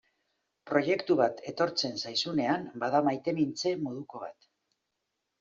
Proiektu bat etortzen zaizunean bada maitemintze moduko bat.